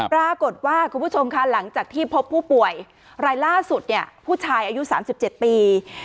คุณผู้ชมค่ะหลังจากที่พบผู้ป่วยรายล่าสุดเนี่ยผู้ชายอายุ๓๗ปี